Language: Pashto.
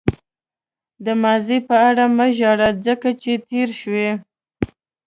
د ماضي په اړه مه ژاړه ځکه چې تېر شوی.